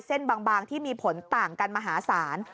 เส้นบางที่มีผลต่างกันมหาศาล